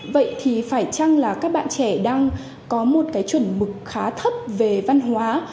vậy thì phải chăng là các bạn trẻ đang có một cái chuẩn mực khá thấp về văn hóa